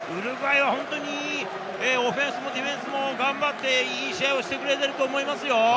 ただウルグアイは本当にオフェンスもディフェンスも頑張って、いい試合をしてくれていると思いますよ。